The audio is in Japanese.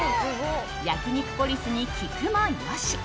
焼肉ポリスに聞くもよし。